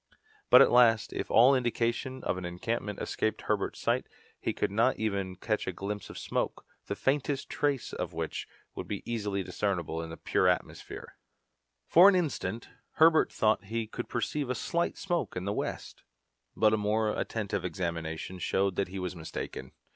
But at last, if all indication of an encampment escaped Herbert's sight, could he not even catch a glimpse of smoke, the faintest trace of which would be easily discernible in the pure atmosphere? For an instant Herbert thought he could perceive a slight smoke in the west, but a more attentive examination showed that he was mistaken.